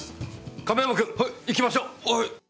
亀山君、行きましょ！